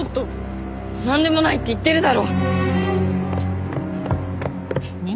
なんでもないって言ってるだろ！